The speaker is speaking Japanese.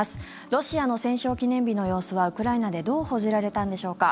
ロシアの戦勝記念日の様子はウクライナでどう報じられたのでしょうか。